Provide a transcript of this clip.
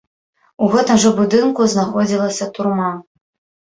У гэтым жа будынку знаходзілася турма.